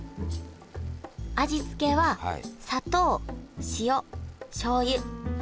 味付けは砂糖塩しょうゆ。